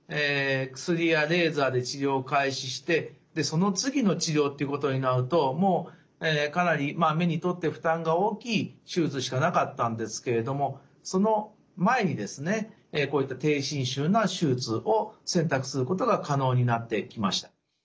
薬やレーザーで治療を開始してその次の治療っていうことになるともうかなり目にとって負担が大きい手術しかなかったんですけれどもその前にこういった低侵襲な手術を選択することが可能になってきました。